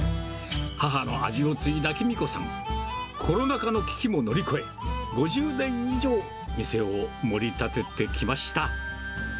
母の味を継いだきみ子さん、コロナ禍の危機も乗り越え、５０年以上、店をもり立ててきました。